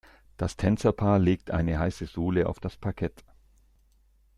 Das Tänzerpaar legt eine heiße Sohle auf das Parkett.